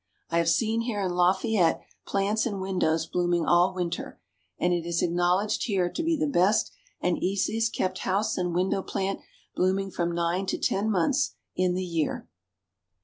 I have seen here in Lafayette plants in windows blooming all winter, and it is acknowledged here to be the best and easiest kept house and window plant, blooming from nine to ten months in the year."